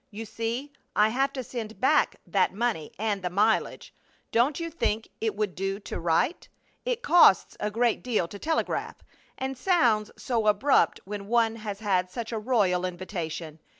You see, I have to send back that money and the mileage. Don't you think it would do to write? It costs a great deal to telegraph, and sounds so abrupt when one has had such a royal invitation.